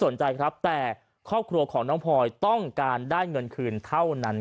สนใจครับแต่ครอบครัวของน้องพลอยต้องการได้เงินคืนเท่านั้น